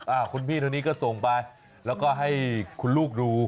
อ่าคุณพี่ก็ส่งไปแล้วก็ให้คุณลูกดู